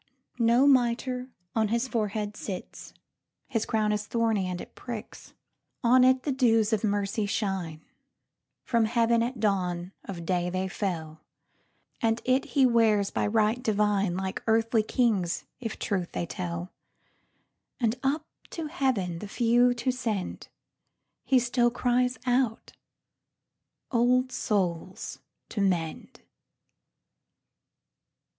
No mitre on his forehead sticks:His crown is thorny, and it pricks. On it the dews of mercy shine; From heaven at dawn of day they fell; And it he wears by right divine, Like earthly kings, if truth they tell; And up to heaven the few to send, He still cries out, "Old souls to mend!"